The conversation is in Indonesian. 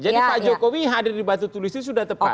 jadi pak jokowi hadir di batu tulis itu sudah tepat